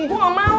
gue gak mau